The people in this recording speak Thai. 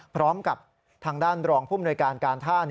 พร้อมกับทางด้านรองภูมิหน่วยการการท่า